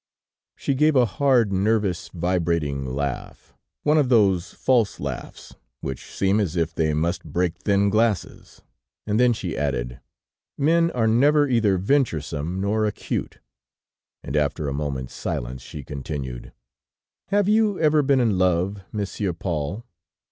"She gave a hard, nervous, vibrating laugh; one of those false laughs which seem as if they must break thin glasses, and then she added: 'Men are never either venturesome nor acute.' And after a moment's silence, she continued: 'Have you ever been in love, Monsieur Paul?'